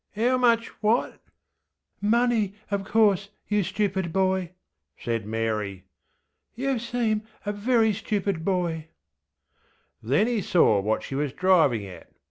ŌĆÖ ŌĆśHow much what? ŌĆÖ ŌĆśMoney, of course, you stupid boy, ŌĆÖ said Mary. ŌĆśYou seem a very stupid boy. ŌĆÖ Then he saw what she was driving at.